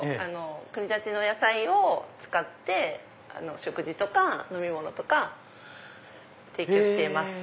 国立の野菜を使って食事とか飲み物とか提供しています。